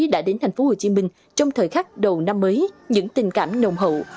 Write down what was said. đã đến tp hcm trong thời khắc đầu năm mới những tình cảm nồng hậu